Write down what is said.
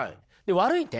悪い点。